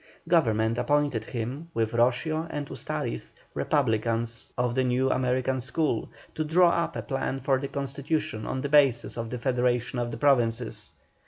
Government appointed him, with Roscio and Ustariz, republicans of the North American school, to draw up a plan for a Constitution on the basis of the federation of the Provinces.